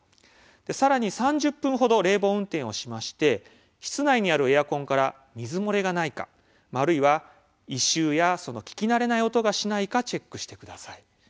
さらに３０分程、冷房運転をして室内にあるエアコンから水漏れがないかあるいは異臭や聞き慣れない音がしないかチェックをしてください。